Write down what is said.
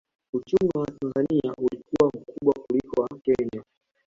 Uchumi wa Tanzania ulikuwa mkubwa kuliko wa Kenya